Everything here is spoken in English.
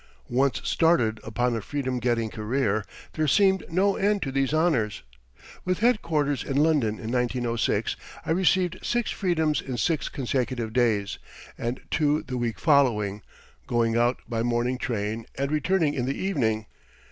Once started upon a Freedom getting career, there seemed no end to these honors. With headquarters in London in 1906, I received six Freedoms in six consecutive days, and two the week following, going out by morning train and returning in the evening.